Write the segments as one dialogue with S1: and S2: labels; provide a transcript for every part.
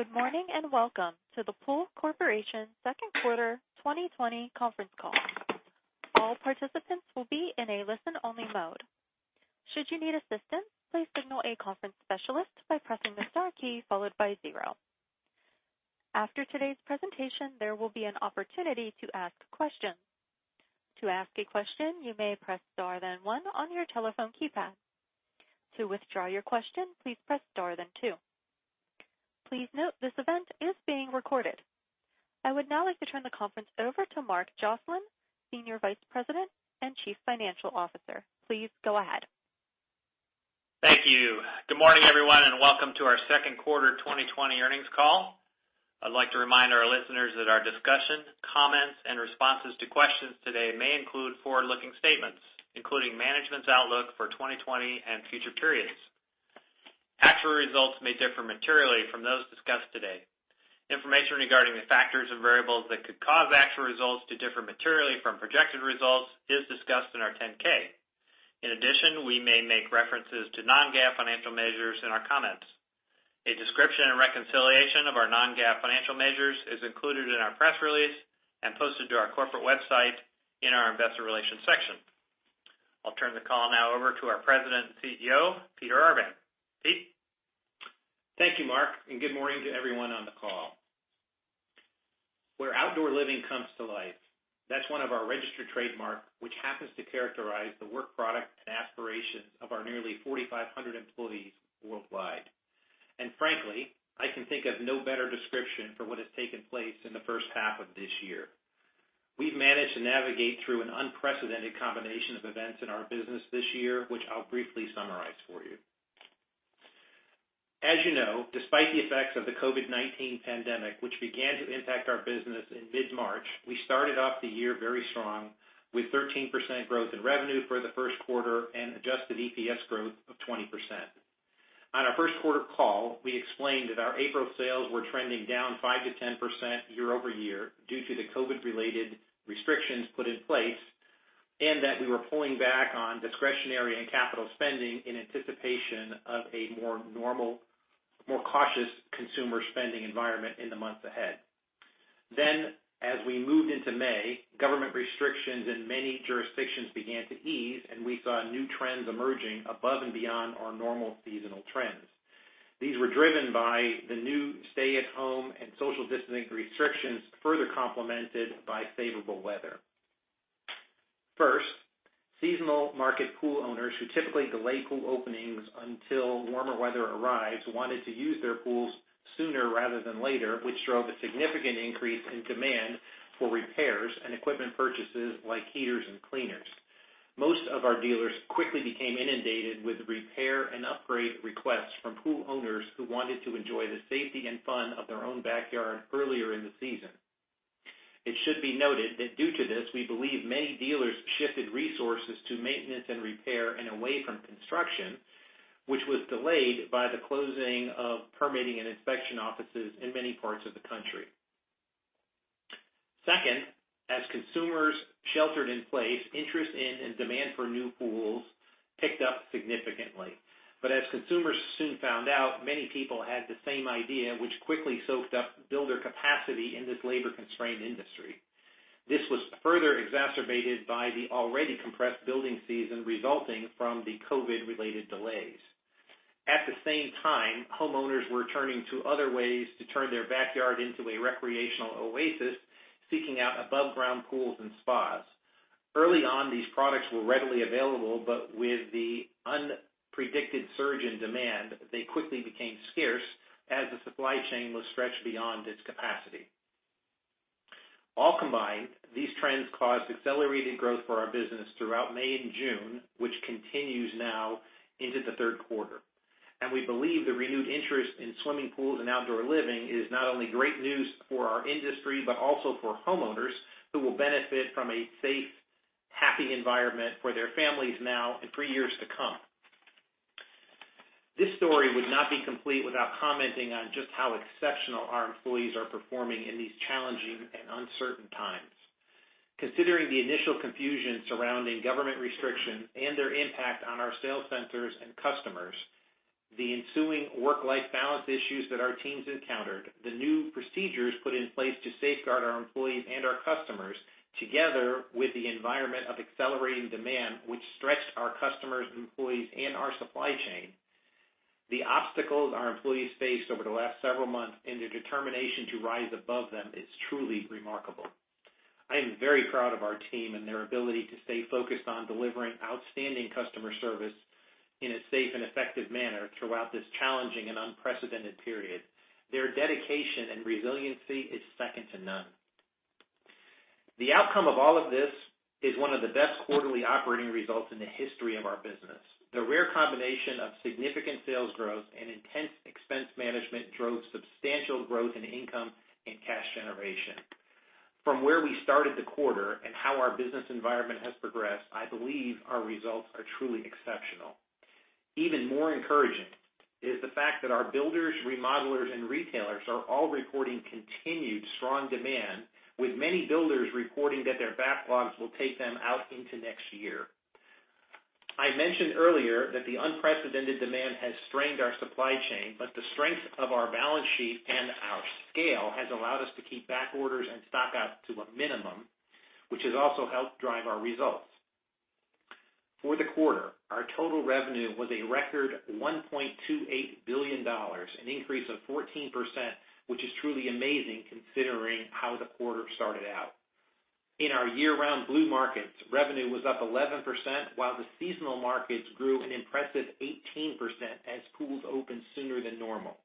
S1: Good morning, and welcome to the Pool Corporation Second Quarter 2020 Conference Call. All participants will be in a listen-only mode. Should you need assistance, please signal a conference specialist by pressing the star key followed by zero. After today's presentation, there will be an opportunity to ask questions. To ask a question, you may press star, then one on your telephone keypad. To withdraw your question, please press star, then two. Please note, this event is being recorded. I would now like to turn the conference over to Mark Joslin, Senior Vice President and Chief Financial Officer. Please go ahead.
S2: Thank you. Good morning, everyone, and welcome to our Second Quarter 2020 Earnings Call. I'd like to remind our listeners that our discussion, comments, and responses to questions today may include forward-looking statements, including management's outlook for 2020 and future periods. Actual results may differ materially from those discussed today. Information regarding the factors and variables that could cause actual results to differ materially from projected results is discussed in our 10-K. In addition, we may make references to non-GAAP financial measures in our comments. A description and reconciliation of our non-GAAP financial measures is included in our press release and posted to our corporate website in our investor relations section. I'll turn the call now over to our President and CEO, Peter Arvan. Peter?
S3: Thank you, Mark. Good morning to everyone on the call. Where outdoor living comes to life. That's one of our registered trademarks, which happens to characterize the work product and aspirations of our nearly 4,500 employees worldwide. Frankly, I can think of no better description for what has taken place in the first half of this year. We've managed to navigate through an unprecedented combination of events in our business this year, which I'll briefly summarize for you. As you know, despite the effects of the COVID-19 pandemic, which began to impact our business in mid-March, we started off the year very strong, with 13% growth in revenue for the first quarter and adjusted EPS growth of 20%. On our first quarter call, we explained that our April sales were trending down 5%-10% year-over-year due to the COVID-related restrictions put in place, and that we were pulling back on discretionary and capital spending in anticipation of a more normal, more cautious consumer spending environment in the months ahead. As we moved into May, government restrictions in many jurisdictions began to ease, and we saw new trends emerging above and beyond our normal seasonal trends. These were driven by the new stay-at-home and social distancing restrictions, further complemented by favorable weather. First, seasonal market pool owners who typically delay pool openings until warmer weather arrives wanted to use their pools sooner rather than later, which drove a significant increase in demand for repairs and equipment purchases like heaters and cleaners. Most of our dealers quickly became inundated with repair and upgrade requests from pool owners who wanted to enjoy the safety and fun of their own backyard earlier in the season. It should be noted that due to this, we believe many dealers shifted resources to maintenance and repair and away from construction, which was delayed by the closing of permitting and inspection offices in many parts of the country. Second, as consumers sheltered in place, interest in and demand for new pools picked up significantly. As consumers soon found out, many people had the same idea, which quickly soaked up builder capacity in this labor-constrained industry. This was further exacerbated by the already compressed building season resulting from the COVID-related delays. At the same time, homeowners were turning to other ways to turn their backyard into a recreational oasis, seeking out above-ground pools and spas. Early on, these products were readily available, but with the unpredicted surge in demand, they quickly became scarce as the supply chain was stretched beyond its capacity. All combined, these trends caused accelerated growth for our business throughout May and June, which continues now into the third quarter. We believe the renewed interest in swimming pools and outdoor living is not only great news for our industry, but also for homeowners who will benefit from a safe, happy environment for their families now and for years to come. This story would not be complete without commenting on just how exceptional our employees are performing in these challenging and uncertain times. Considering the initial confusion surrounding government restrictions and their impact on our sales centers and customers, the ensuing work-life balance issues that our teams encountered, the new procedures put in place to safeguard our employees and our customers, together with the environment of accelerating demand, which stretched our customers, employees, and our supply chain. The obstacles our employees faced over the last several months and their determination to rise above them is truly remarkable. I am very proud of our team and their ability to stay focused on delivering outstanding customer service in a safe and effective manner throughout this challenging and unprecedented period. Their dedication and resiliency is second to none. The outcome of all of this is one of the best quarterly operating results in the history of our business. The rare combination of significant sales growth and intense expense management drove substantial growth in income and cash generation. From where we started the quarter and how our business environment has progressed, I believe our results are truly exceptional. Even more encouraging is the fact that our builders, remodelers, and retailers are all reporting continued strong demand, with many builders reporting that their backlogs will take them out into next year. I mentioned earlier that the unprecedented demand has strained our supply chain, but the strength of our balance sheet and our scale has allowed us to keep back orders and stock outs to a minimum, which has also helped drive our results. For the quarter, our total revenue was a record $1.28 billion, an increase of 14%, which is truly amazing considering how the quarter started out. In our year-round blue markets, revenue was up 11%, while the seasonal markets grew an impressive 18% as pools opened sooner than normal.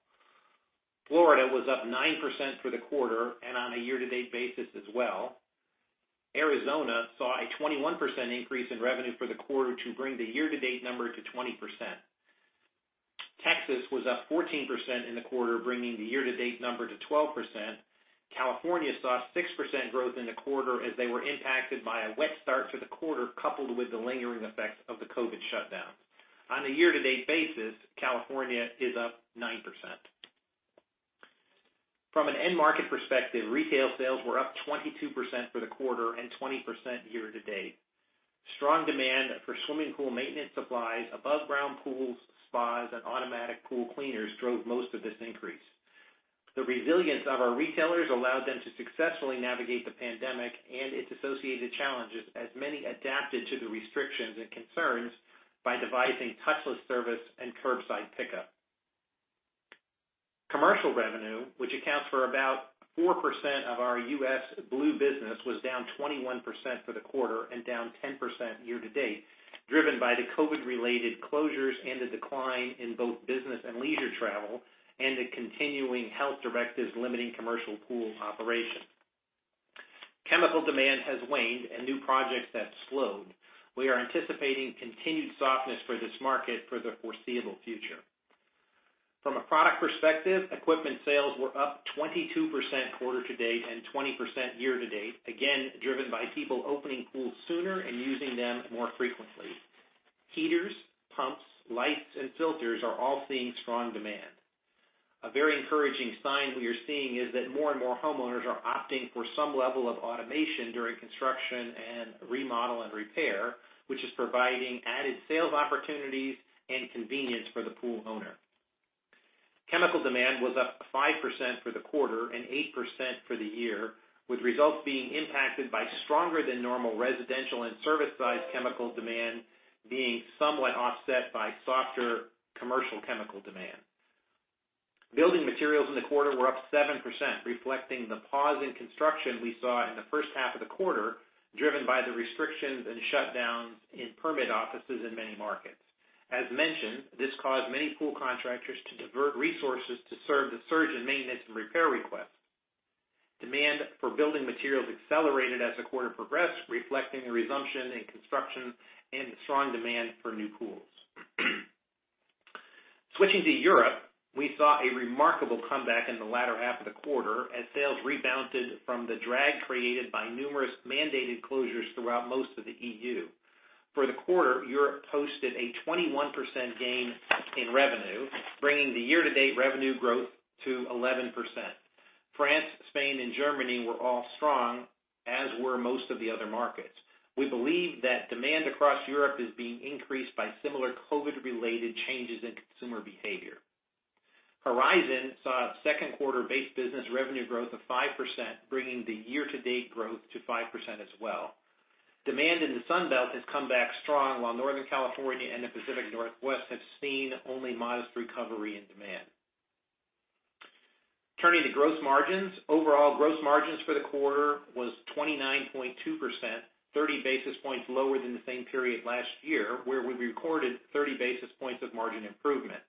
S3: Florida was up 9% for the quarter and on a year-to-date basis as well. Arizona saw a 21% increase in revenue for the quarter to bring the year-to-date number to 20%. Texas was up 14% in the quarter, bringing the year-to-date number to 12%. California saw 6% growth in the quarter as they were impacted by a wet start to the quarter, coupled with the lingering effects of the COVID shutdown. On a year-to-date basis, California is up 9%. From an end market perspective, retail sales were up 22% for the quarter and 20% year-to-date. Strong demand for swimming pool maintenance supplies, above ground pools, spas, and automatic pool cleaners drove most of this increase. The resilience of our retailers allowed them to successfully navigate the pandemic and its associated challenges, as many adapted to the restrictions and concerns by devising touchless service and curbside pickup. Commercial revenue, which accounts for about 4% of our U.S. Blue business, was down 21% for the quarter and down 10% year-to-date, driven by the COVID-related closures and the decline in both business and leisure travel, and the continuing health directives limiting commercial pool operations. Chemical demand has waned and new projects have slowed. We are anticipating continued softness for this market for the foreseeable future. From a product perspective, equipment sales were up 22% quarter-to-date and 20% year-to-date, again, driven by people opening pools sooner and using them more frequently. Heaters, pumps, lights, and filters are all seeing strong demand. A very encouraging sign we are seeing is that more and more homeowners are opting for some level of automation during construction and remodel and repair, which is providing added sales opportunities and convenience for the pool owner. Chemical demand was up 5% for the quarter and 8% for the year, with results being impacted by stronger than normal residential and service size chemical demand being somewhat offset by softer commercial chemical demand. Building materials in the quarter were up 7%, reflecting the pause in construction we saw in the first half of the quarter, driven by the restrictions and shutdowns in permit offices in many markets. As mentioned, this caused many pool contractors to divert resources to serve the surge in maintenance and repair requests. Demand for building materials accelerated as the quarter progressed, reflecting a resumption in construction and strong demand for new pools. Switching to Europe, we saw a remarkable comeback in the latter half of the quarter as sales rebounded from the drag created by numerous mandated closures throughout most of the EU. For the quarter, Europe posted a 21% gain in revenue, bringing the year-to-date revenue growth to 11%. France, Spain, and Germany were all strong, as were most of the other markets. We believe that demand across Europe is being increased by similar COVID-19-related changes in consumer behavior. Horizon saw second quarter base business revenue growth of 5%, bringing the year-to-date growth to 5% as well. Demand in the Sun Belt has come back strong while Northern California and the Pacific Northwest have seen only modest recovery in demand. Turning to gross margins. Overall, gross margins for the quarter was 29.2%, 30 basis points lower than the same period last year, where we recorded 30 basis points of margin improvement.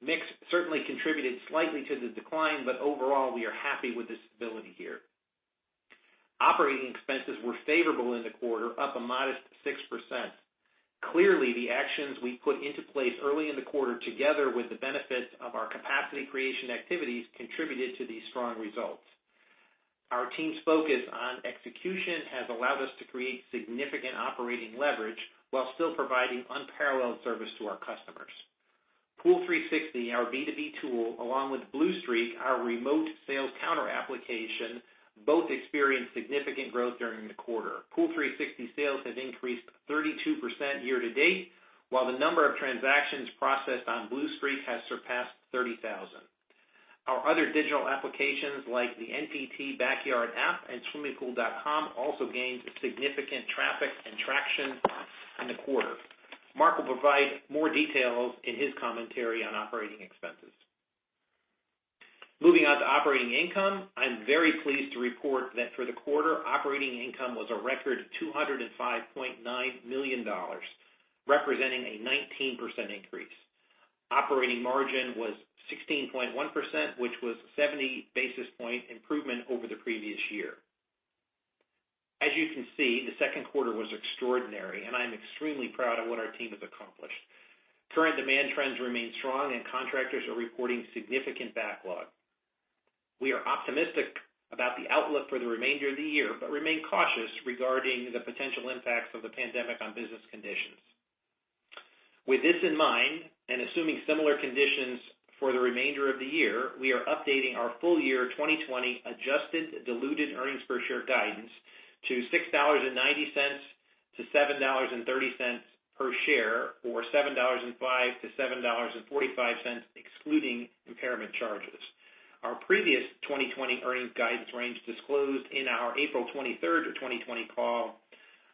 S3: Mix certainly contributed slightly to the decline, but overall, we are happy with the stability here. Operating expenses were favorable in the quarter, up a modest 6%. Clearly, the actions we put into place early in the quarter, together with the benefits of our capacity creation activities, contributed to these strong results. Our team's focus on execution has allowed us to create significant operating leverage while still providing unparalleled service to our customers. POOL360, our B2B tool, along with BlueStreak, our remote sales counter application, both experienced significant growth during the quarter. POOL360 sales have increased 32% year to date, while the number of transactions processed on BlueStreak has surpassed 30,000. Our other digital applications like the NPT Backyard app and swimmingpool.com also gained significant traffic and traction in the quarter. Mark will provide more details in his commentary on operating expenses. Moving on to operating income. I'm very pleased to report that for the quarter, operating income was a record $205.9 million, representing a 19% increase. Operating margin was 16.1%, which was a 70 basis point improvement over the previous year. As you can see, the second quarter was extraordinary, and I'm extremely proud of what our team has accomplished. Current demand trends remain strong, and contractors are reporting significant backlog. We are optimistic about the outlook for the remainder of the year but remain cautious regarding the potential impacts of the pandemic on business conditions. With this in mind, and assuming similar conditions for the remainder of the year, we are updating our full year 2020 adjusted diluted earnings per share guidance to $6.90-$7.30 per share, or $7.05-$7.45, excluding impairment charges. Our previous 2020 earnings guidance range disclosed in our April 23, 2020 call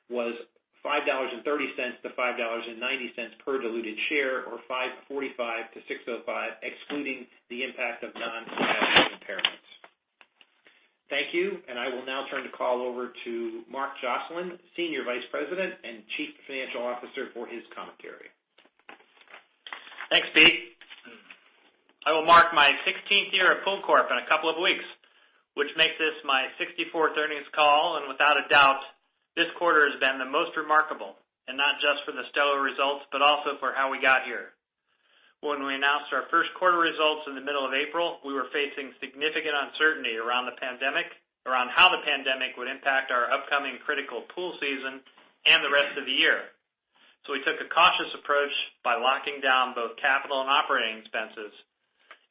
S3: was $5.30-$5.90 per diluted share, or $5.45-$6.05, excluding the impact of non-cash impairments. Thank you, and I will now turn the call over to Mark Joslin, Senior Vice President and Chief Financial Officer, for his commentary.
S2: Thanks, Peter. I will mark my 16th year at PoolCorp in a couple of weeks, which makes this my 64th earnings call. Without a doubt, this quarter has been the most remarkable, and not just for the stellar results, but also for how we got here. When we announced our first quarter results in the middle of April, we were facing significant uncertainty around the pandemic, around how the pandemic would impact our upcoming critical pool season, and the rest of the year. We took a cautious approach by locking down both capital and operating expenses,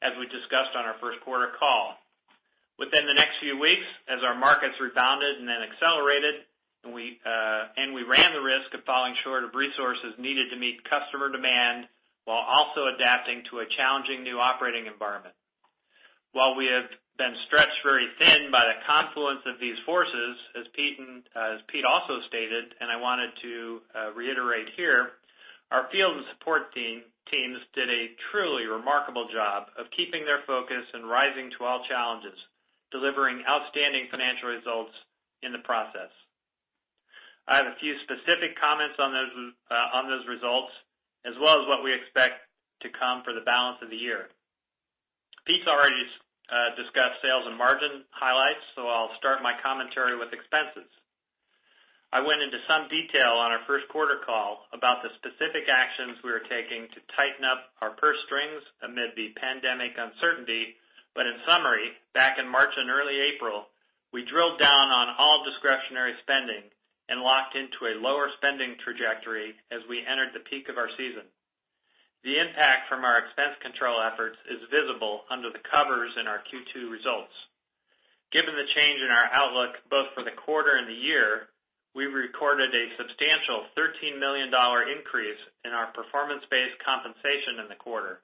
S2: as we discussed on our first quarter call. Within the next few weeks, as our markets rebounded and then accelerated, and we ran the risk of falling short of resources needed to meet customer demand, while also adapting to a challenging new operating environment. While we have been stretched very thin by the confluence of these forces, as Peter also stated, and I wanted to reiterate here, our field and support teams did a truly remarkable job of keeping their focus and rising to all challenges, delivering outstanding financial results in the process. I have a few specific comments on those results, as well as what we expect to come for the balance of the year. I'll start my commentary with expenses. I went into some detail on our first quarter call about the specific actions we were taking to tighten up our purse strings amid the pandemic uncertainty. In summary, back in March and early April, we drilled down on all discretionary spending and locked into a lower spending trajectory as we entered the peak of our season. The impact from our expense control efforts is visible under the covers in our Q2 results. Given the change in our outlook both for the quarter and the year, we recorded a substantial $13 million increase in our performance-based compensation in the quarter.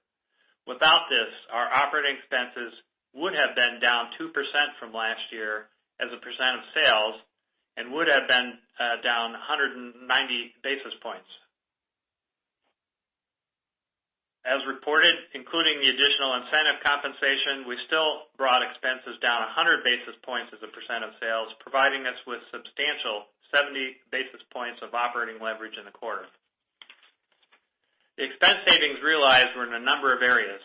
S2: Without this, our operating expenses would have been down 2% from last year as a percent of sales, and would have been down 190 basis points. As reported, including the additional incentive compensation, we still brought expenses down 100 basis points as a percent of sales, providing us with substantial 70 basis points of operating leverage in the quarter. The expense savings realized were in a number of areas.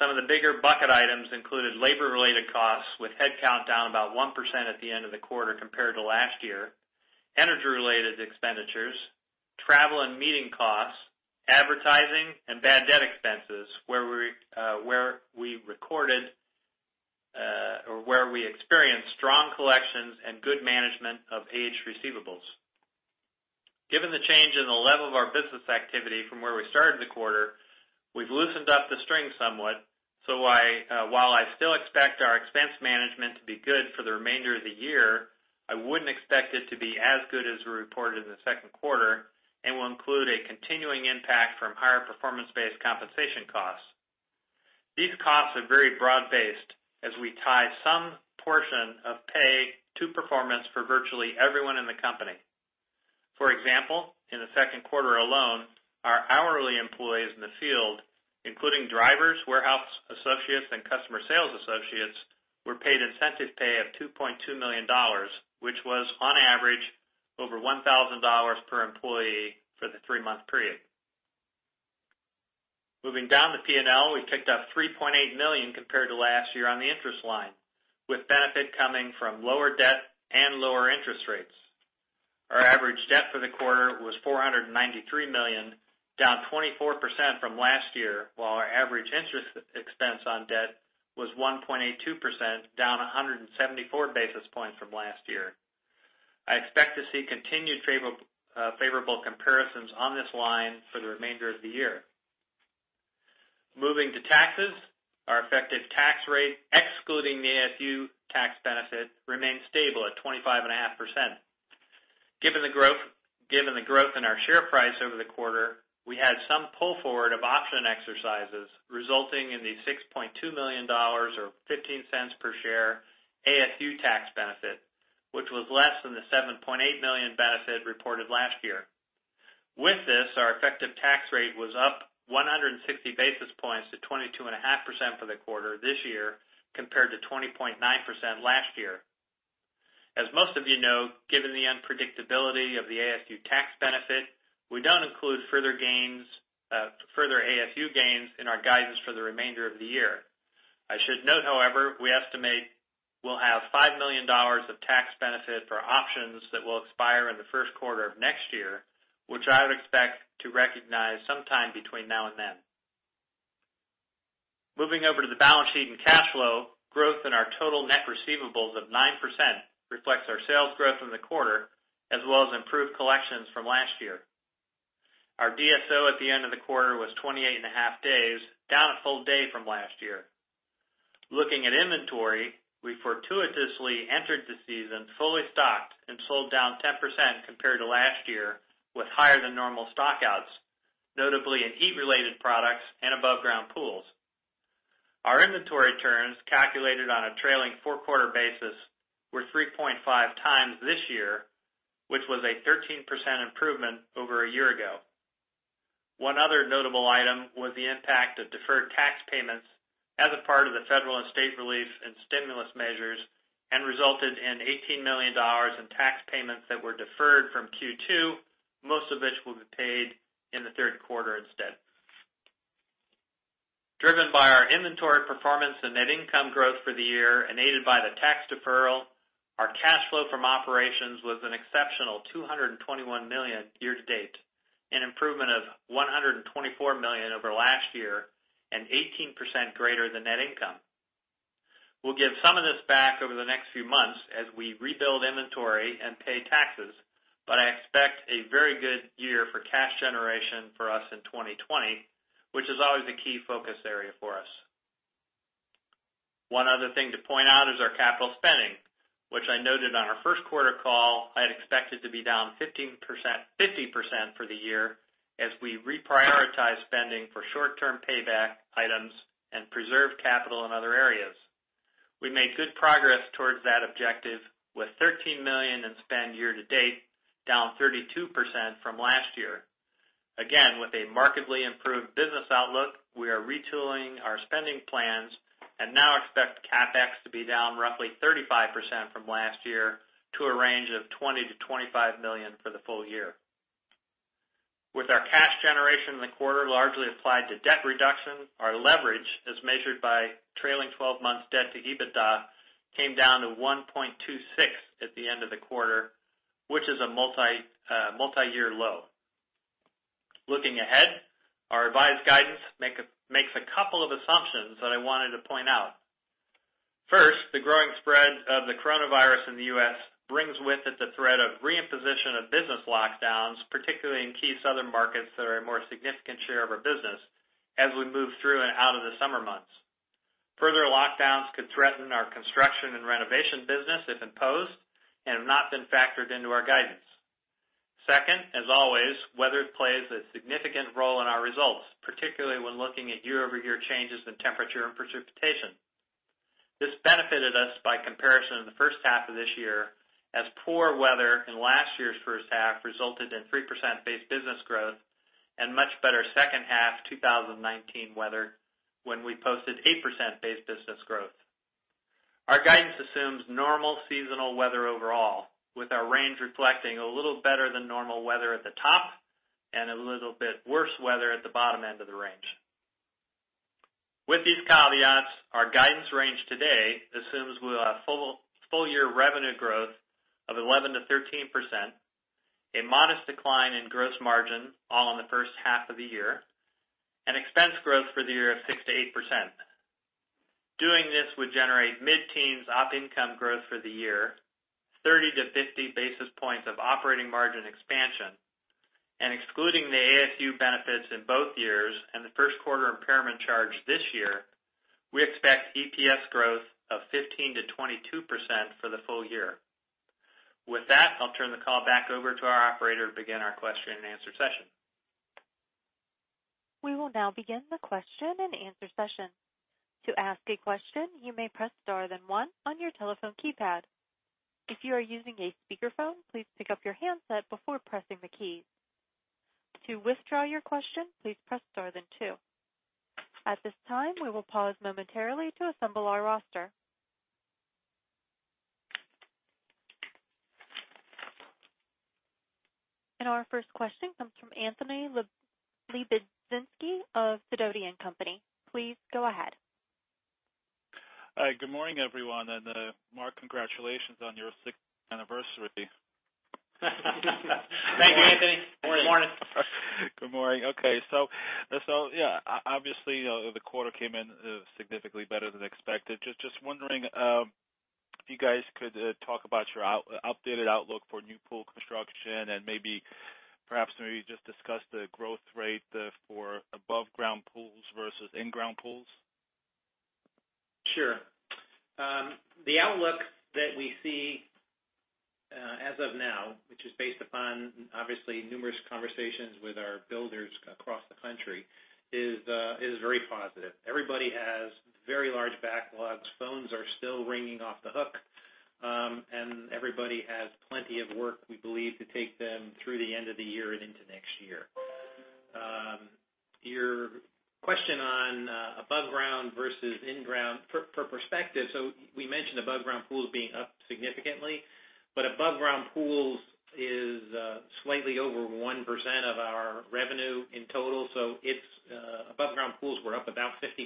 S2: Some of the bigger bucket items included labor-related costs with headcount down about 1% at the end of the quarter compared to last year, energy-related expenditures, travel and meeting costs, advertising, and bad debt expenses, where we recorded or where we experienced strong collections and good management of aged receivables. Given the change in the level of our business activity from where we started the quarter, we've loosened up the string somewhat. While I still expect our expense management to be good for the remainder of the year, I wouldn't expect it to be as good as we reported in the second quarter and will include a continuing impact from higher performance-based compensation costs. These costs are very broad-based, as we tie some portion of pay to performance for virtually everyone in the company. For example, in the second quarter alone, our hourly employees in the field, including drivers, warehouse associates, and customer sales associates, were paid incentive pay of $2.2 million, which was on average over $1,000 per employee for the three-month period. Moving down to P&L, we picked up $3.8 million compared to last year on the interest line, with benefit coming from lower debt and lower interest rates. Our average debt for the quarter was $493 million, down 24% from last year, while our average interest expense on debt was 1.82%, down 174 basis points from last year. I expect to see continued favorable comparisons on this line for the remainder of the year. Moving to taxes, our effective tax rate, excluding the ASU tax benefit, remains stable at 25.5%. Given the growth in our share price over the quarter, we had some pull forward of option exercises, resulting in the $6.2 million or $0.15 per share ASU tax benefit, which was less than the $7.8 million benefit reported last year. With this, our effective tax rate was up 160 basis points to 22.5% for the quarter this year, compared to 20.9% last year. As most of you know, given the unpredictability of the ASU tax benefit, we don't include further ASU gains in our guidance for the remainder of the year. I should note, however, we estimate we'll have $5 million of tax benefit for options that will expire in the first quarter of next year, which I would expect to recognize sometime between now and then. Moving over to the balance sheet and cash flow, growth in our total net receivables of 9% reflects our sales growth in the quarter, as well as improved collections from last year. Our DSO at the end of the quarter was 28.5 days, down a full day from last year. Looking at inventory, we fortuitously entered the season fully stocked and sold down 10% compared to last year, with higher than normal stockouts, notably in heat related products and above ground pools. Our inventory turns, calculated on a trailing four-quarter basis, were 3.5 times this year, which was a 13% improvement over a year ago. One other notable item was the impact of deferred tax payments as a part of the federal and state relief and stimulus measures, resulted in $18 million in tax payments that were deferred from Q2, most of which will be paid in the third quarter instead. Driven by our inventory performance and net income growth for the year, aided by the tax deferral, our cash flow from operations was an exceptional $221 million year to date, an improvement of $124 million over last year, 18% greater than net income. We'll give some of this back over the next few months as we rebuild inventory and pay taxes, I expect a very good year for cash generation for us in 2020, which is always a key focus area for us. One other thing to point out is our capital spending, which I noted on our first quarter call I had expected to be down 50% for the year, as we reprioritize spending for short-term payback items and preserve capital in other areas. We made good progress towards that objective with $13 million in spend year to date, down 32% from last year. Again, with a markedly improved business outlook, we are retooling our spending plans and now expect CapEx to be down roughly 35% from last year to a range of $20 million-$25 million for the full year. With our cash generation in the quarter largely applied to debt reduction, our leverage as measured by trailing 12 months debt to EBITDA came down to 1.26 at the end of the quarter, which is a multi-year low. Looking ahead, our advised guidance makes a couple of assumptions that I wanted to point out. First, the growing spread of the coronavirus in the U.S. brings with it the threat of reimposition of business lockdowns, particularly in key southern markets that are a more significant share of our business, as we move through and out of the summer months. Further lockdowns could threaten our construction and renovation business if imposed, and have not been factored into our guidance. Second, as always, weather plays a significant role in our results, particularly when looking at year-over-year changes in temperature and precipitation. This benefited us by comparison in the first half of this year, as poor weather in last year's first half resulted in 3% base business growth and much better second half 2019 weather, when we posted 8% base business growth. Our guidance assumes normal seasonal weather overall, with our range reflecting a little better than normal weather at the top and a little bit worse weather at the bottom end of the range. Our guidance range today assumes we'll have full year revenue growth of 11%-13%, a modest decline in gross margin, all in the first half of the year, and expense growth for the year of 6%-8%. Doing this would generate mid-teens op income growth for the year, 30-50 basis points of operating margin expansion, and excluding the ASU benefits in both years and the first quarter impairment charge this year, we expect EPS growth of 15%-22% for the full year. I'll turn the call back over to our operator to begin our question and answer session.
S1: We will now begin the question and answer session. To ask a question, you may press star then one on your telephone keypad. If you are using a speakerphone, please pick up your handset before pressing the key. To withdraw your question, please press star then two. At this time, we will pause momentarily to assemble our roster. Our first question comes from Anthony Lebiedzinski of Sidoti & Company. Please go ahead.
S4: Hi. Good morning, everyone, and Mark, congratulations on your 16th anniversary.
S2: Thank you, Anthony. Good morning.
S4: Good morning. Okay, yeah, obviously, the quarter came in significantly better than expected. I'm just wondering if you guys could talk about your updated outlook for new pool construction and maybe perhaps maybe just discuss the growth rate for above ground pools versus in-ground pools?
S3: Sure. The outlook that we see, as of now, which is based upon, obviously, numerous conversations with our builders across the country, is very positive. Everybody has very large backlogs. Phones are still ringing off the hook, and everybody has plenty of work, we believe, to take them through the end of the year and into next year. Your question on above ground versus in-ground, for perspective, we mentioned above ground pools being up significantly, but above ground pools is slightly over 1% of our revenue in total. Above ground pools were up about 50%,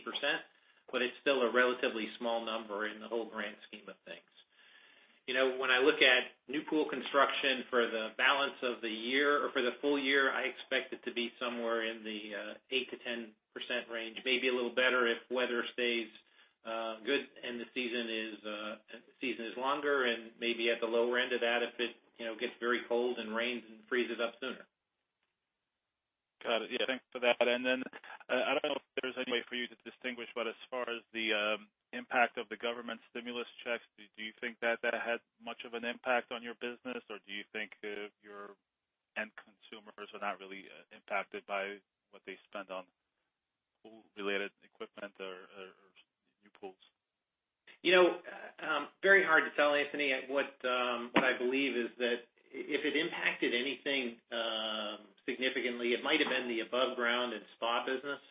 S3: but it's still a relatively small number in the whole grand scheme of things. When I look at new pool construction for the balance of the year or for the full year, I expect it to be somewhere in the 8%-10% range. Maybe a little better if weather stays good and the season is longer, and maybe at the lower end of that if it gets very cold and rains and freezes up sooner.
S4: Got it. Yeah, thanks for that. I don't know if there's any way for you to distinguish, but as far as the impact of the government stimulus checks, do you think that had much of an impact on your business, or do you think your end consumers are not really impacted by what they spend on pool-related equipment or new pools?
S3: Very hard to tell, Anthony. What I believe is that if it impacted anything significantly, it might have been the above ground and spa business,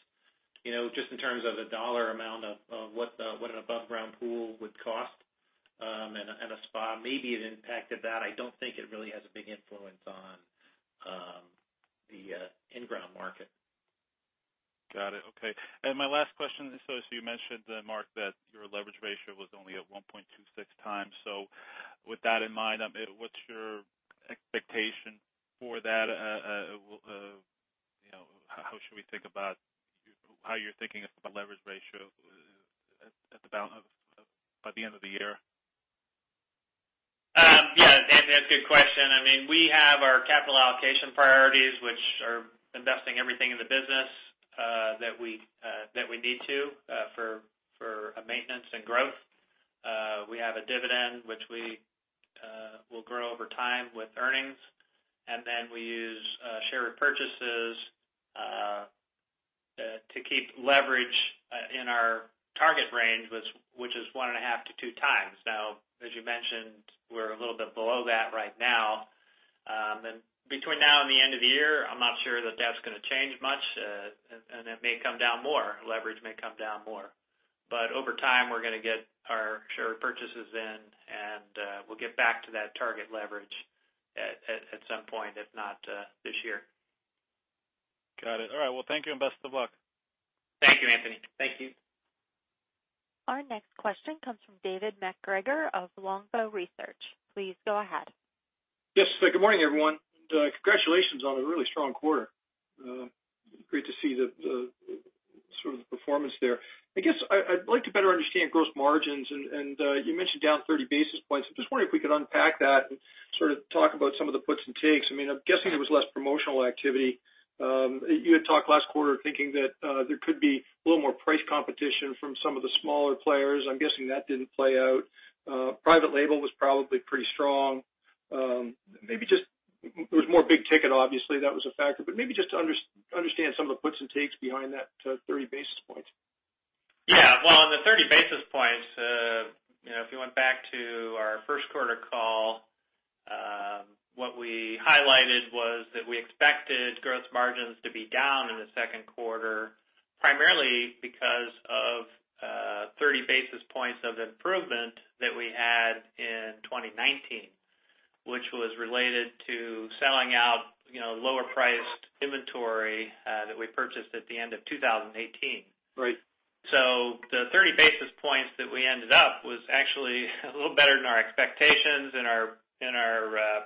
S3: just in terms of the dollar amount of what an above ground pool would cost and a spa. Maybe it impacted that. I don't think it really has a big influence on the in-ground market.
S4: Got it. Okay. My last question is, you mentioned, Mark, that your leverage ratio was only at 1.26x. With that in mind, what's your expectation for that? How should we think about how you're thinking about leverage ratio by the end of the year?
S2: Yeah. That's a good question. We have our capital allocation priorities, which are investing everything in the business that we need to for maintenance and growth. We have a dividend, which we will grow over time with earnings, and then we use share repurchases to keep leverage in our target range, which is 1.5x-2x. As you mentioned, we're a little bit below that right now. Between now and the end of the year, I'm not sure that's going to change much, and it may come down more. Leverage may come down more. Over time, we're going to get our share purchases in, and we'll get back to that target leverage at some point, if not this year.
S4: Got it. All right. Well, thank you, and best of luck.
S2: Thank you, Anthony. Thank you.
S1: Our next question comes from David MacGregor of Longbow Research. Please go ahead.
S5: Yes. Good morning, everyone. Congratulations on a really strong quarter. Great to see the sort of performance there. I guess I'd like to better understand gross margins, and you mentioned down 30 basis points. I'm just wondering if we could unpack that and sort of talk about some of the puts and takes. I'm guessing there was less promotional activity. You had talked last quarter thinking that there could be a little more price competition from some of the smaller players. I'm guessing that didn't play out. Private label was probably pretty strong. There was more big ticket, obviously, that was a factor, but maybe just to understand some of the puts and takes behind that 30 basis points.
S2: Yeah. Well, on the 30 basis points, if you went back to our first quarter call, what we highlighted was that we expected gross margins to be down in the second quarter, primarily because of 30 basis points of improvement that we had in 2019, which was related to selling out lower priced inventory that we purchased at the end of 2018.
S5: Right.
S2: The 30 basis points that we ended up was actually a little better than our expectations in our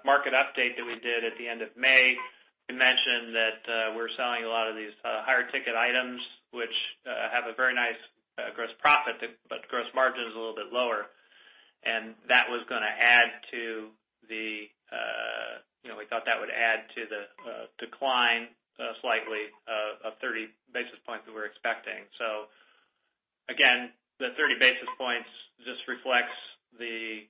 S2: market update that we did at the end of May. We mentioned that we're selling a lot of these higher ticket items, which have a very nice gross profit, but gross margin is a little bit lower. We thought that would add to the decline slightly of 30 basis points that we're expecting. Again, the 30 basis points just reflects the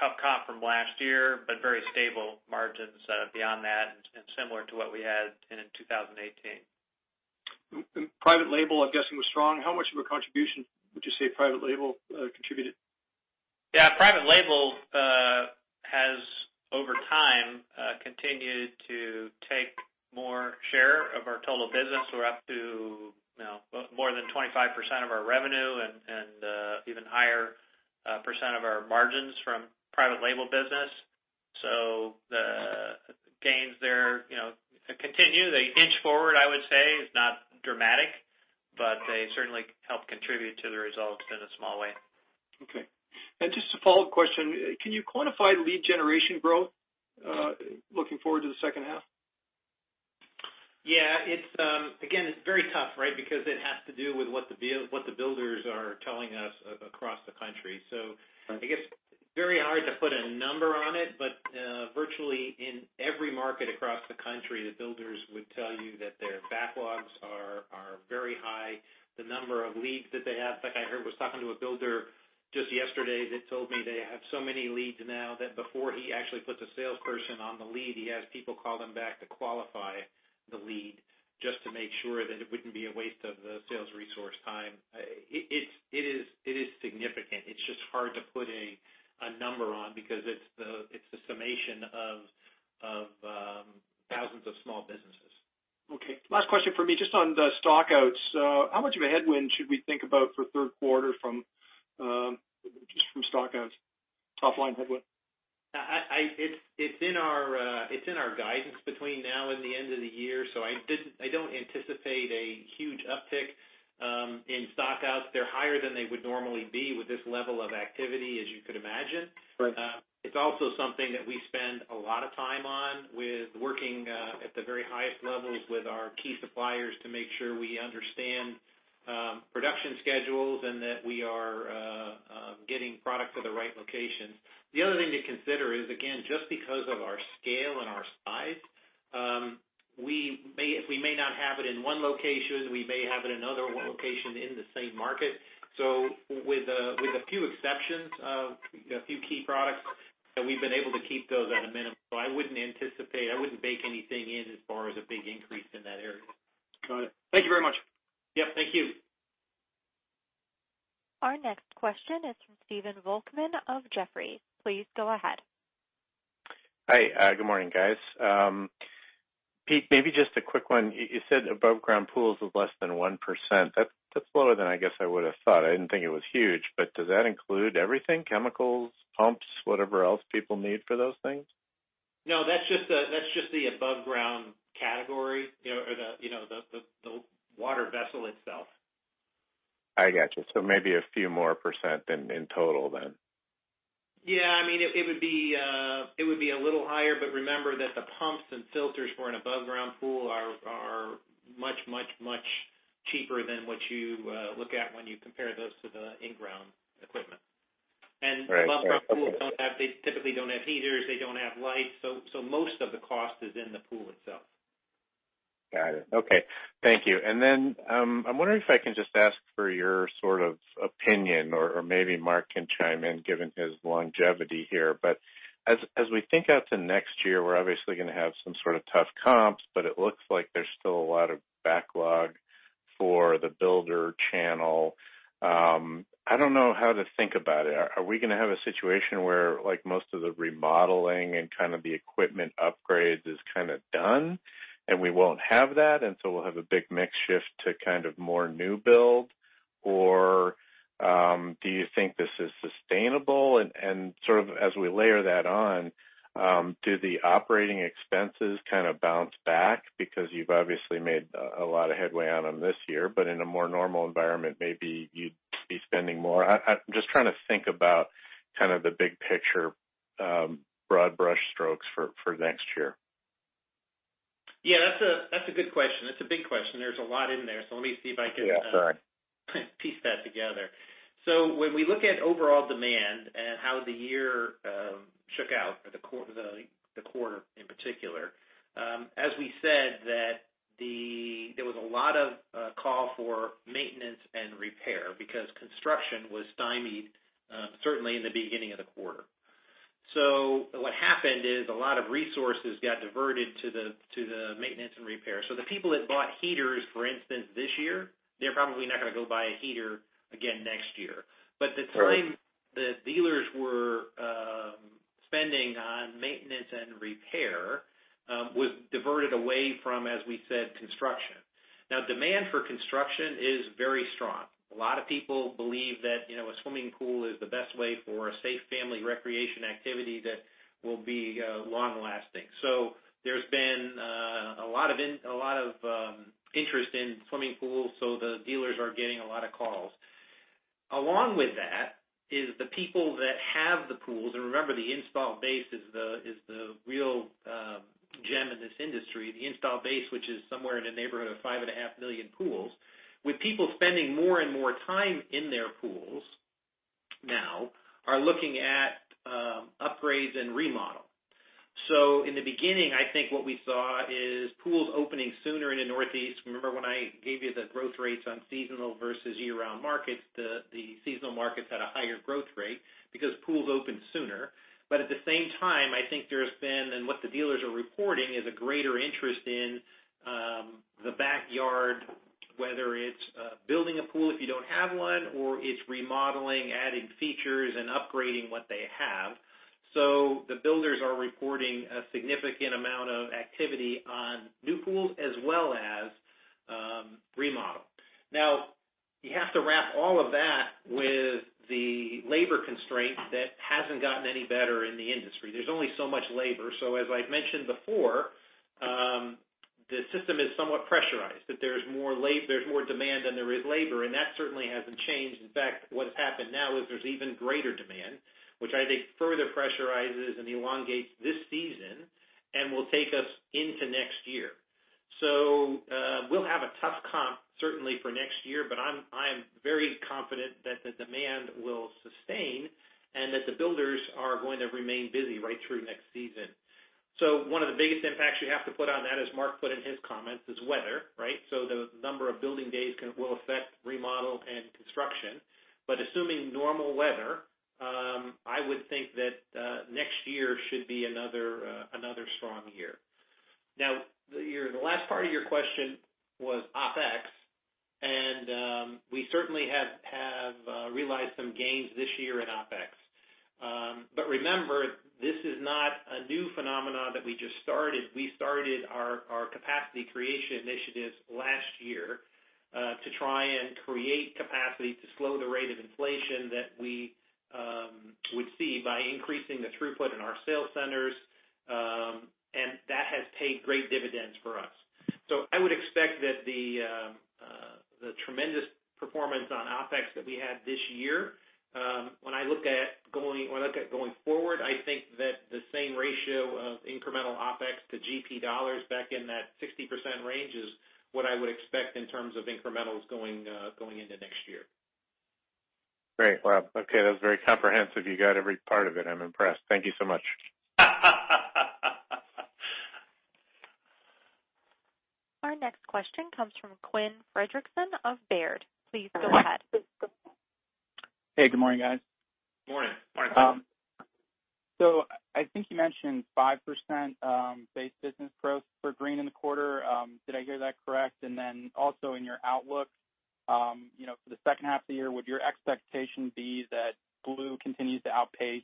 S2: tough comp from last year, but very stable margins beyond that and similar to what we had in 2018.
S5: Private label, I'm guessing, was strong. How much of a contribution would you say private label contributed?
S2: Yeah. Private label has, over time, continued to take more share of our total business. We're up to more than 25% of our revenue and even higher percent of our margins from private label business. The gains there continue. They inch forward, I would say. It's not dramatic, but they certainly help contribute to the results in a small way.
S5: Okay. Just a follow-up question, can you quantify lead generation growth looking forward to the second half?
S3: Yeah. Again, it's very tough, right? It has to do with what the builders are telling us across the country. I guess it's very hard to put a number on it, but virtually in every market across the country, the builders would tell you that their backlogs are very high. The number of leads that they have, like I was talking to a builder just yesterday that told me they have so many leads now that before he actually puts a salesperson on the lead, he has people call them back to qualify the lead just to make sure that it wouldn't be a waste of the sales resource time. It is significant. It's just hard to put a number on, because it's the summation of thousands of small businesses.
S5: Last question from me, just on the stock-outs. How much of a headwind should we think about for third quarter just from stock-outs? Topline headwind.
S3: It's in our guidance between now and the end of the year. I don't anticipate a huge uptick in stock-outs. They're higher than they would normally be with this level of activity, as you could imagine.
S5: Right.
S3: It's also something that we spend a lot of time on with working at the very highest levels with our key suppliers to make sure we understand production schedules and that we are getting product to the right locations. The other thing to consider is, again, just because of our scale and our size, if we may not have it in one location, we may have it in another location in the same market. With a few exceptions of a few key products, and we've been able to keep those at a minimum. I wouldn't anticipate, I wouldn't bake anything in as far as a big increase in that area.
S5: Got it. Thank you very much.
S3: Yep. Thank you.
S1: Our next question is from Stephen Volkmann of Jefferies. Please go ahead.
S6: Hi. Good morning, guys. Peter, maybe just a quick one. You said above ground pools was less than 1%. That's lower than I guess I would've thought. I didn't think it was huge, but does that include everything, chemicals, pumps, whatever else people need for those things?
S3: No, that's just the above ground category or the water vessel itself.
S6: I got you. Maybe a few more percent in total then?
S3: Yeah. It would be a little higher, but remember that the pumps and filters for an above ground pool are much cheaper than what you look at when you compare those to the in-ground equipment.
S6: Right. Okay.
S3: Above ground pools, they typically don't have heaters, they don't have lights. Most of the cost is in the pool itself.
S6: Got it. Okay. Thank you. I'm wondering if I can just ask for your opinion or maybe Mark can chime in given his longevity here. As we think out to next year, we're obviously going to have some sort of tough comps, but it looks like there's still a lot of backlog for the builder channel. I don't know how to think about it. Are we going to have a situation where most of the remodeling and the equipment upgrades is done and we won't have that, and so we'll have a big mix shift to more new build? Do you think this is sustainable and as we layer that on, do the operating expenses bounce back because you've obviously made a lot of headway on them this year, but in a more normal environment, maybe you'd be spending more? I'm just trying to think about the big picture, broad brush strokes for next year.
S3: Yeah. That's a good question. It's a big question. There's a lot in there.
S6: Yeah. Sorry
S3: piece that together. When we look at overall demand and how the year shook out, or the quarter in particular, as we said, that there was a lot of call for maintenance and repair because construction was stymied, certainly in the beginning of the quarter. What happened is a lot of resources got diverted to the maintenance and repair. The people that bought heaters, for instance, this year, they're probably not going to go buy a heater again next year. The time the dealers were spending on maintenance and repair was diverted away from, as we said, construction. Now, demand for construction is very strong. A lot of people believe that a swimming pool is the best way for a safe family recreation activity that will be long-lasting. There's been a lot of interest in swimming pools, so the dealers are getting a lot of calls. Along with that is the people that have the pools, and remember, the install base is the real gem in this industry. The install base, which is somewhere in the neighborhood of five and a half million pools, with people spending more and more time in their pools now, are looking at upgrades and remodel. In the beginning, I think what we saw is pools opening sooner in the Northeast. Remember when I gave you the growth rates on seasonal versus year-round markets, the seasonal markets had a higher growth rate because pools open sooner. At the same time, I think there's been, and what the dealers are reporting, is a greater interest in the backyard, whether it's building a pool if you don't have one, or it's remodeling, adding features, and upgrading what they have. The builders are reporting a significant amount of activity on new pools as well as remodel. Now, you have to wrap all of that with the labor constraints that hasn't gotten any better in the industry. There's only so much labor. As I've mentioned before, the system is somewhat pressurized, that there's more demand than there is labor, and that certainly hasn't changed. In fact, what's happened now is there's even greater demand, which I think further pressurizes and elongates this season and will take us into next year. We'll have a tough comp certainly for next year, but I am very confident that the demand will sustain and that the builders are going to remain busy right through next season. One of the biggest impacts you have to put on that, as Mark put in his comments, is weather, right? The number of building days will affect remodel and construction. Assuming normal weather, I would think that next year should be another strong year. The last part of your question was OpEx, and we certainly have realized some gains this year in OpEx. Remember, this is not a new phenomenon that we just started. We started our capacity creation initiatives last year to try and create capacity to slow the rate of inflation that we would see by increasing the throughput in our sales centers, and that has paid great dividends for us. I would expect that the tremendous performance on OpEx that we had this year, when I look at going forward, I think that the same ratio of incremental OpEx to GP dollars back in that 60% range is what I would expect in terms of incrementals going into next year.
S6: Great. Wow. Okay. That was very comprehensive. You got every part of it. I'm impressed. Thank you so much.
S1: Our next question comes from Quinn Fredrickson of Baird. Please go ahead.
S7: Hey, good morning, guys.
S3: Morning.
S2: Morning.
S7: I think you mentioned 5% base business growth for green in the quarter. Did I hear that correct? Also in your outlook, for the second half of the year, would your expectation be that blue continues to outpace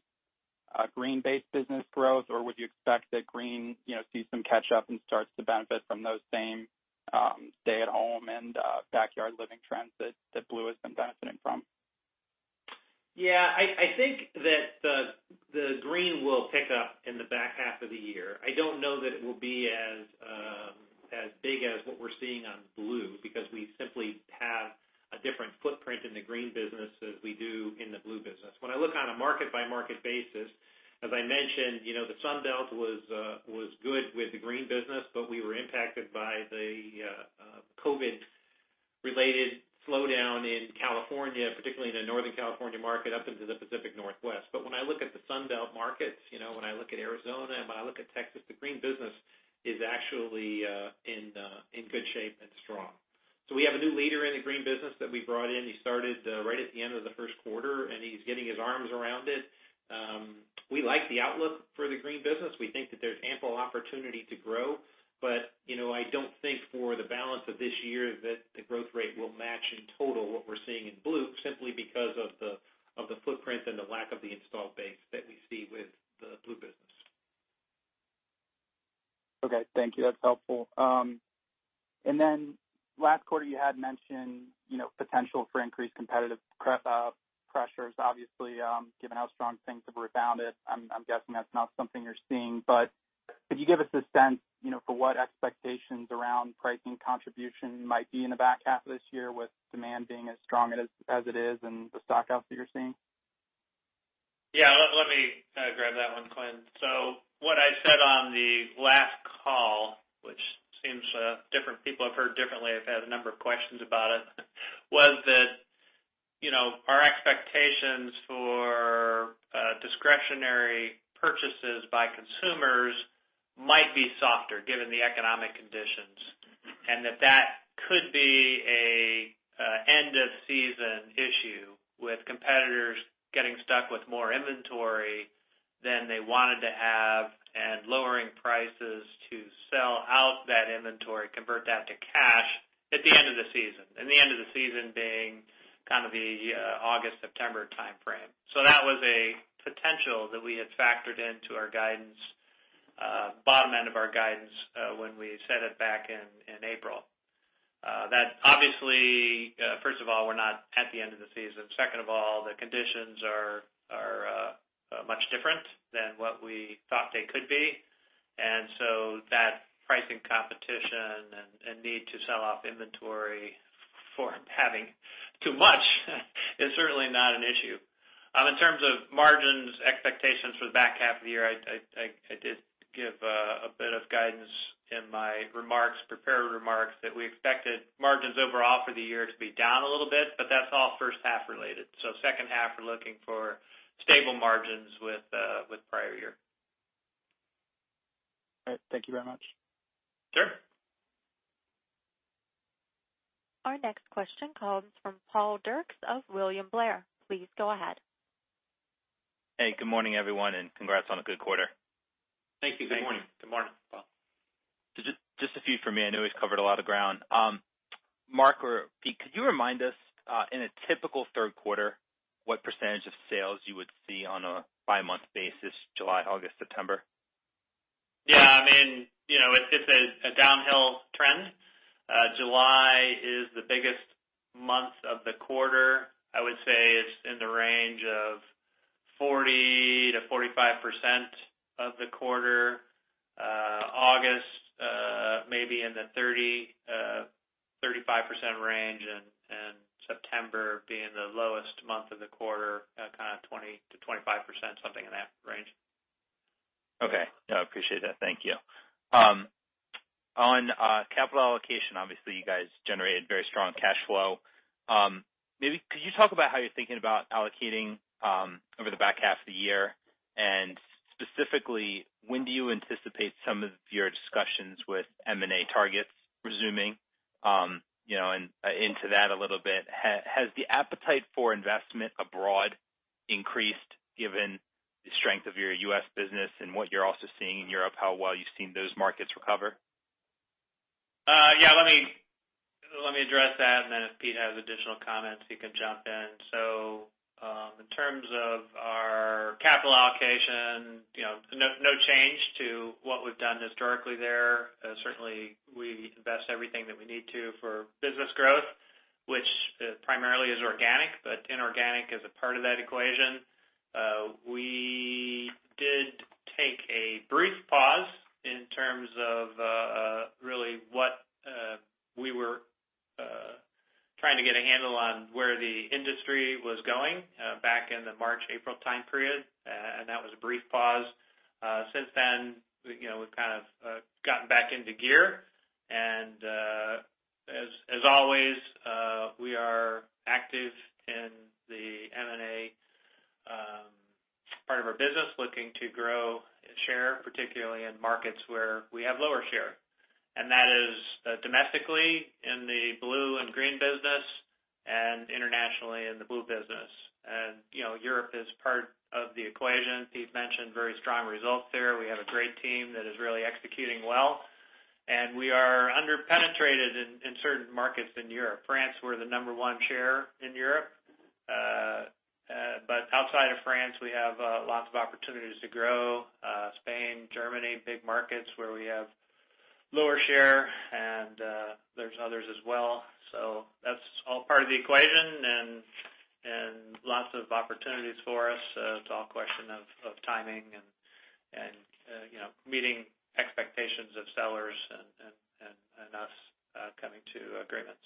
S7: green base business growth, or would you expect that green sees some catch up and starts to benefit from those same stay-at-home and backyard living trends that blue has been benefiting from?
S3: Yeah, I think that the green will pick up in the back half of the year. I don't know that it will be as big as what we're seeing on blue because we simply have a different footprint in the green business as we do in the blue business. When I look on a market-by-market basis, as I mentioned, the Sun Belt was good with the green business, but we were impacted by the COVID-related slowdown in California, particularly in the Northern California market up into the Pacific Northwest. When I look at the Sun Belt markets, when I look at Arizona and when I look at Texas, the green business is actually in good shape and strong. We have a new leader in the green business that we brought in. He started right at the end of the first quarter, and he's getting his arms around it. We like the outlook for the green business. We think that there's ample opportunity to grow. I don't think for the balance of this year that the growth rate will match in total what we're seeing in blue, simply because of the footprint and the lack of the installed base that we see with the blue business.
S7: Okay. Thank you. That's helpful. Last quarter you had mentioned potential for increased competitive pressures. Obviously, given how strong things have rebounded, I'm guessing that's not something you're seeing. Could you give us a sense for what expectations around pricing contribution might be in the back half of this year with demand being as strong as it is and the stock-outs that you're seeing?
S2: Yeah. Let me grab that one, Quinn. What I said on the last call, which seems different people have heard differently, have had a number of questions about it was that our expectations for discretionary purchases by consumers might be softer given the economic conditions, and that that could be an end-of-season issue with competitors getting stuck with more inventory than they wanted to have and lowering prices to sell out that inventory, convert that to cash at the end of the season, and the end of the season being kind of the August, September timeframe. That was a potential that we had factored into our guidance, bottom end of our guidance, when we set it back in April. That obviously, first of all, we're not at the end of the season. Second of all, the conditions are much different than what we thought they could be. That pricing competition and need to sell off inventory for having too much is certainly not an issue. In terms of margins expectations for the back half of the year, I did give a bit of guidance in my remarks, prepared remarks, that we expected margins overall for the year to be down a little bit, but that's all first-half related. Second half, we're looking for stable margins with prior year.
S7: All right. Thank you very much.
S3: Sure.
S1: Our next question comes from Paul Dirks of William Blair. Please go ahead.
S8: Hey, good morning, everyone, and congrats on a good quarter.
S3: Thank you. Good morning.
S2: Good morning.
S8: Just a few for me. I know we've covered a lot of ground. Mark or Peter, could you remind us, in a typical third quarter, what percentage of sales you would see on a five-month basis, July, August, September?
S3: Yeah. It's a downhill trend. July is the biggest month of the quarter. I would say it's in the range of 40%-45% of the quarter. August, maybe in the 30%-35% range, September being the lowest month of the quarter, kind of 20%-25%, something in that range.
S8: Okay. No, I appreciate that. Thank you. On capital allocation, obviously, you guys generated very strong cash flow. Maybe could you talk about how you're thinking about allocating over the back half of the year? Specifically, when do you anticipate some of your discussions with M&A targets resuming? Into that a little bit, has the appetite for investment abroad increased given the strength of your U.S. business and what you're also seeing in Europe, how well you've seen those markets recover?
S2: Yeah. Let me address that, and then if Peter has additional comments, he can jump in. In terms of our capital allocation, no change to what we've done historically there. Certainly, we invest everything that we need to for business growth, which primarily is organic, but inorganic is a part of that equation. We did take a brief pause in terms of really what we were trying to get a handle on where the industry was going back in the March, April time period, and that was a brief pause. Since then, we've kind of gotten back into gear and, as always, we are active in the M&A part of our business, looking to grow share, particularly in markets where we have lower share. That is domestically in the blue and green business, and internationally in the blue business. Europe is part of the equation. Pete mentioned very strong results there. We have a great team that is really executing well, and we are under-penetrated in certain markets in Europe. France, we're the number one share in Europe. Outside of France, we have lots of opportunities to grow. Spain, Germany, big markets where we have lower share, and there's others as well. That's all part of the equation and lots of opportunities for us. It's all a question of timing and meeting expectations of sellers and us coming to agreement.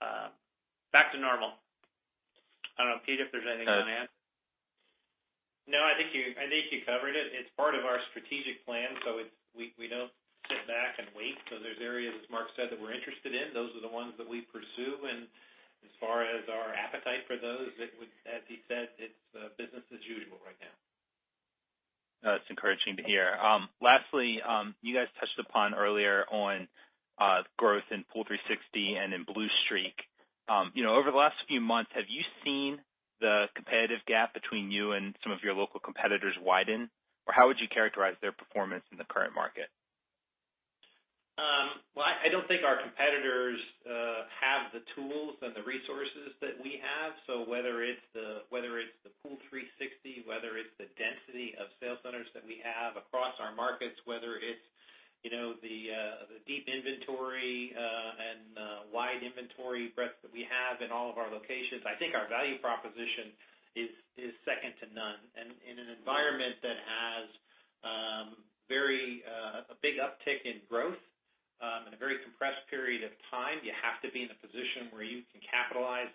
S2: Back to normal. I don't know, Pete, if there's anything you want to add.
S3: I think you covered it. It's part of our strategic plan, so we don't sit back and wait. There's areas, as Mark said, that we're interested in. Those are the ones that we pursue, and as far as our appetite for those, as he said, it's business as usual right now.
S8: That's encouraging to hear. Lastly, you guys touched upon earlier on growth in POOL360 and in BlueStreak. Over the last few months, have you seen the competitive gap between you and some of your local competitors widen? How would you characterize their performance in the current market?
S3: Well, I don't think our competitors have the tools and the resources that we have. Whether it's the POOL360, whether it's the density of sales centers that we have across our markets, whether it's the deep inventory and wide inventory breadth that we have in all of our locations, I think our value proposition is second to none. In an environment that has a big uptick in growth in a very compressed period of time, you have to be in a position where you can capitalize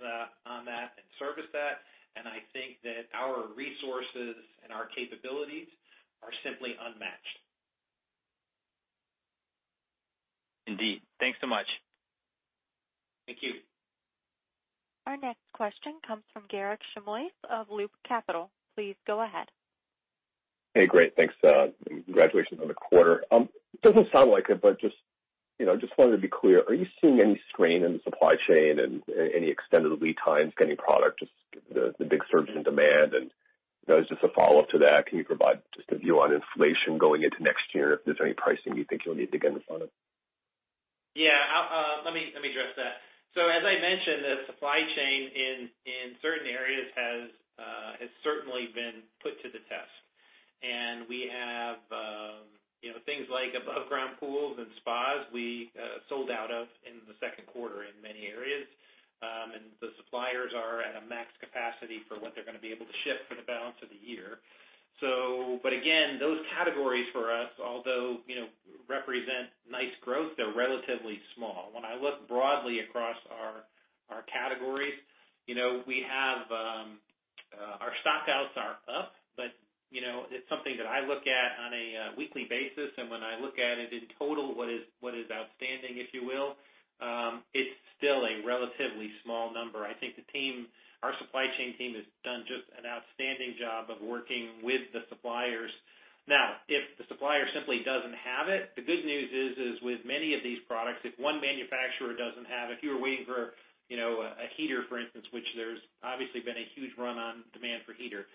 S3: on that and service that. I think that our resources and our capabilities are simply unmatched.
S8: Indeed. Thanks so much.
S3: Thank you.
S1: Our next question comes from Garik Shmois of Loop Capital. Please go ahead.
S9: Hey, great, thanks. Congratulations on the quarter. It doesn't sound like it, but just wanted to be clear, are you seeing any strain in the supply chain and any extended lead times getting product, just the big surge in demand? Just a follow-up to that, can you provide just a view on inflation going into next year, and if there's any pricing you think you'll need to get in front of?
S3: Yeah. Let me address that. As I mentioned, the supply chain in certain areas has certainly been put to the test. We have things like above ground pools and spas we sold out of in the second quarter in many areas. The suppliers are at a max capacity for what they're going to be able to ship for the balance of the year. Again, those categories for us, although represent nice growth, they're relatively small. When I look broadly across our categories, our stock-outs are up, but it's something that I look at on a weekly basis, and when I look at it in total, what is outstanding, if you will, it's still a relatively small number. I think our supply chain team has done just an outstanding job of working with the suppliers. If the supplier simply doesn't have it, the good news is with many of these products, if one manufacturer doesn't have it, if you were waiting for a heater, for instance, which there's obviously been a huge run on demand for heater,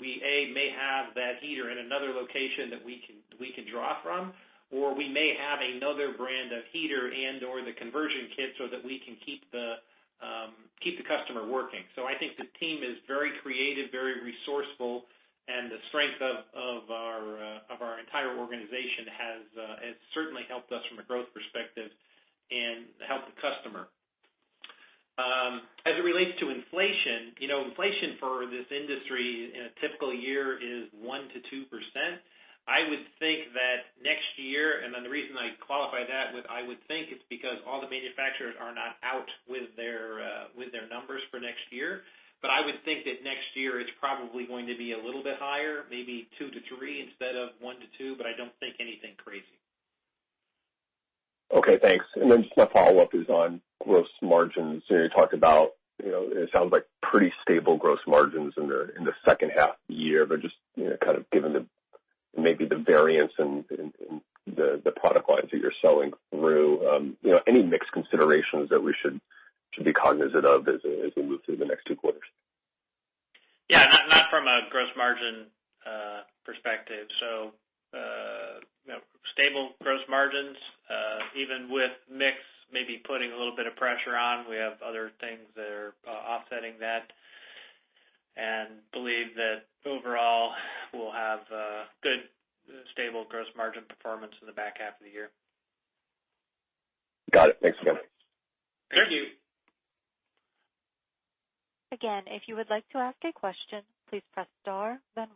S3: we, A, may have that heater in another location that we can draw from, or we may have another brand of heater and/or the conversion kit so that we can keep the customer working. I think the team is very creative, very resourceful, and the strength of our entire organization has certainly helped us from a growth perspective and helped the customer. As it relates to inflation for this industry in a typical year is 1%-2%. I would think that next year, and then the reason I qualify that with "I would think" is because all the manufacturers are not out with their numbers for next year. I would think that next year it's probably going to be a little bit higher, maybe 2%-3% instead of 1%-2%, but I don't think anything crazy.
S9: Okay, thanks. Just my follow-up is on gross margins. You talked about, it sounds like pretty stable gross margins in the second half of the year, but just kind of given maybe the variance in the product lines that you're selling through. Any mixed considerations that we should be cognizant of as we move through the next two quarters?
S2: Yeah, not from a gross margin perspective. Stable gross margins, even with mix maybe putting a little bit of pressure on, we have other things that are offsetting that, and believe that overall, we'll have a good, stable gross margin performance in the back half of the year.
S9: Got it. Thanks again.
S2: Thank you.
S1: Again, if you would like to ask a question, please press star, then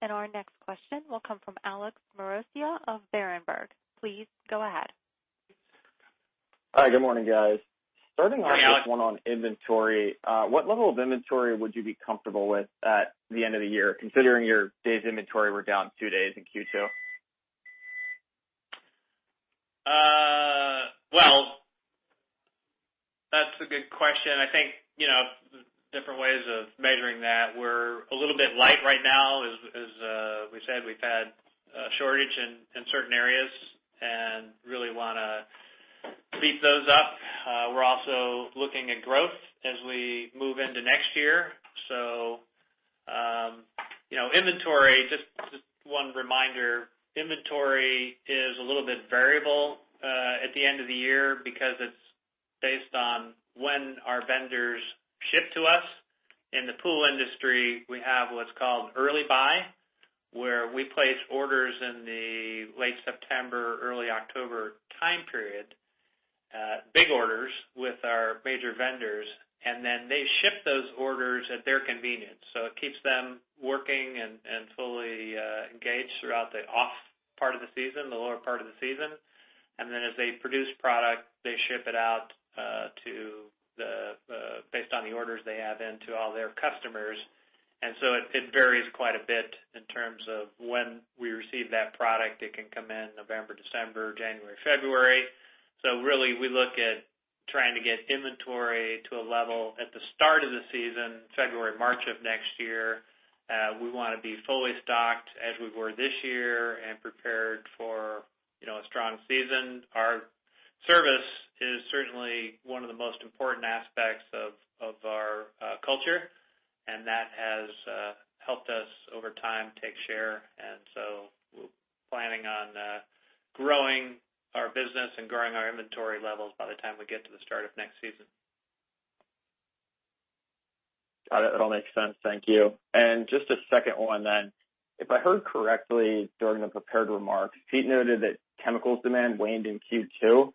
S1: one. Our next question will come from Alex Maroccia of Berenberg. Please go ahead.
S10: Hi. Good morning, guys.
S2: Hey, Alex.
S10: Starting off with one on inventory. What level of inventory would you be comfortable with at the end of the year, considering your days inventory were down two days in Q2?
S2: Well, that's a good question. I think, different ways of measuring that. We're a little bit light right now. As we said, we've had a shortage in certain areas and really want to beef those up. We're also looking at growth as we move into next year. Just one reminder, inventory is a little bit variable at the end of the year because it's based on when our vendors ship to us. In the pool industry, we have what's called early buy, where we place orders in the late September, early October time period, big orders with our major vendors, and then they ship those orders at their convenience. It keeps them working and fully engaged throughout the off part of the season, the lower part of the season. Then as they produce product, they ship it out based on the orders they have into all their customers. It varies quite a bit in terms of when we receive that product. It can come in November, December, January, February. Really, we look at trying to get inventory to a level at the start of the season, February, March of next year. We want to be fully stocked as we were this year and prepared for a strong season. Our service is certainly one of the most important aspects of our culture, and that has helped us over time take share. We're planning on growing our business and growing our inventory levels by the time we get to the start of next season.
S10: Got it. That all makes sense. Thank you. Just a second one then. If I heard correctly during the prepared remarks, Peter noted that chemicals demand waned in Q2.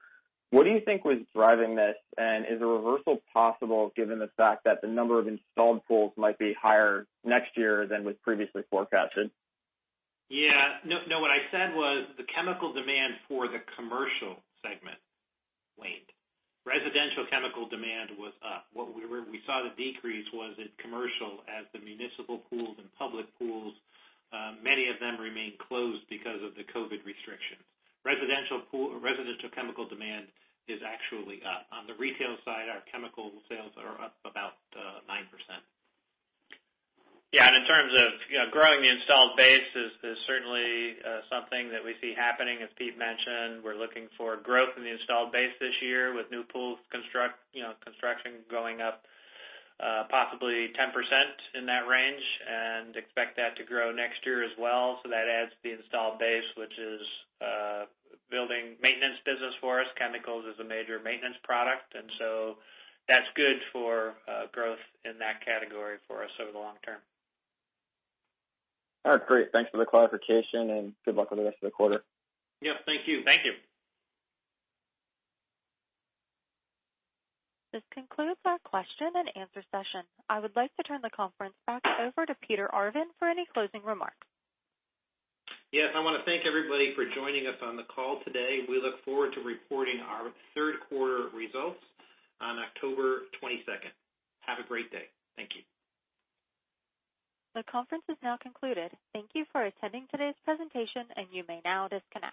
S10: What do you think was driving this? Is a reversal possible given the fact that the number of installed pools might be higher next year than was previously forecasted?
S3: Yeah. No, what I said was the chemical demand for the commercial segment waned. Residential chemical demand was up. Where we saw the decrease was at commercial as the municipal pools and public pools, many of them remain closed because of the COVID restrictions. Residential chemical demand is actually up. On the retail side, our chemical sales are up about 9%.
S2: Yeah, in terms of growing the installed base is certainly something that we see happening. As Peter mentioned, we're looking for growth in the installed base this year with new pool construction going up possibly 10% in that range, and expect that to grow next year as well. That adds to the installed base, which is building maintenance business for us. Chemicals is a major maintenance product, and so that's good for growth in that category for us over the long term.
S10: All right, great. Thanks for the clarification and good luck with the rest of the quarter.
S3: Yep, thank you.
S2: Thank you.
S1: This concludes our question and answer session. I would like to turn the conference back over to Peter Arvan for any closing remarks.
S3: Yes, I want to thank everybody for joining us on the call today. We look forward to reporting our third quarter results on October 22nd. Have a great day. Thank you.
S1: The conference is now concluded. Thank you for attending today's presentation, and you may now disconnect.